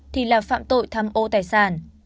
thì là phạm tội thăm ô tài sản